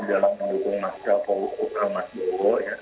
dalam mendukung mas jokowi atau mas bowo